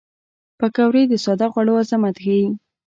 پکورې د ساده خوړو عظمت ښيي